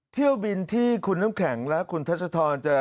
เที่ยวบินที่คุณน้ำแข็งและคุณทัศธรจะ